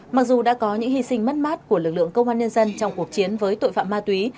mặc dù đã có những hy sinh mất mát của lực lượng công an nhân dân trong cuộc chiến với tội phạm ma túy